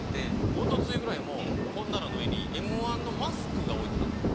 おとついくらいも本棚の上にＭ−１のマスクが置いてたんすよ。